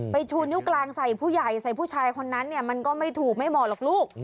ชูนิ้วกลางใส่ผู้ใหญ่ใส่ผู้ชายคนนั้นเนี่ยมันก็ไม่ถูกไม่เหมาะหรอกลูก